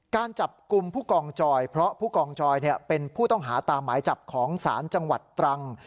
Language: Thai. การจับกลุ่มผู้กองจอยเพราะผู้กองจอยเป็นผู้ต้องหาตามหมายจับของศาลจังหวัดตรัง